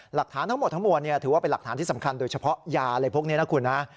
หลักฐานทั้งหมดทั้งมวลถือว่าเป็นหลักฐานที่สำคัญโดยเฉพาะยาอะไรพวกนี้นะคุณนะ